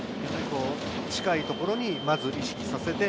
近いところに意識させて、